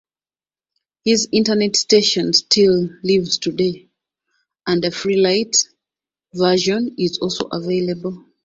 His internet station still lives today and a free light version is also available.